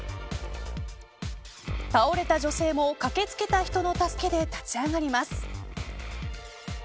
倒れた女性も駆け付けた人の助けで立ち上がります。